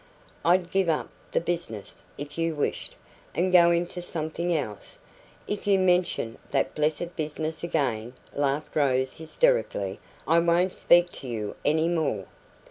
I'd give up the business, if you wished, and go into something else " "If you mention that blessed business again," laughed Rose hysterically, "I won't speak to you any more."